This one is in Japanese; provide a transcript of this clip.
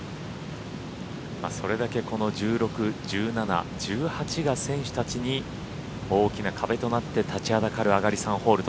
それだけこの１６、１７、１８が選手たちに大きな壁となって立ちはだかる